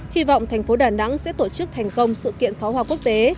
hy vọng thành phố đà nẵng sẽ tổ chức thành công sự kiện phó hoa quốc tế